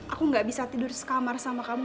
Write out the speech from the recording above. aku gak bisa tidur sekamar sama kamu